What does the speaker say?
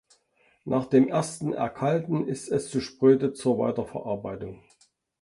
Nach dem ersten Erkalten ist es zu spröde zur Weiterverarbeitung.